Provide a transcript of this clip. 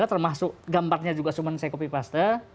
termasuk gambarnya juga cuman saya copy paste